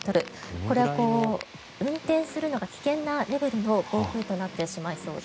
これは運転するのが危険なレベルの暴風となってしまいそうです。